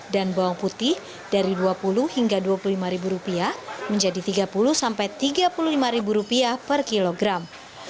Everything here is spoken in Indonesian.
dan bawang putih dari rp dua puluh hingga rp dua puluh lima menjadi rp tiga puluh sampai rp tiga puluh lima per kilogram